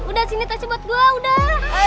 udah sini tasnya buat gua udah